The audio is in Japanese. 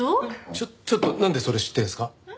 ちょちょっとなんでそれ知ってるんですか？